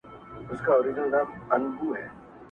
د ښار خلکو وو سل ځله آزمېیلی -